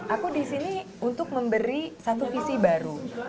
aku di sini untuk memberi satu visi baru